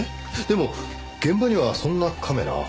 でも現場にはそんなカメラは。